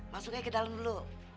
masuk aja ke dalam dulu